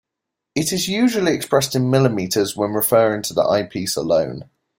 It is usually expressed in millimetres when referring to the eyepiece alone.